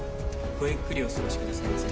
ごゆっくりお過ごしくださいませ。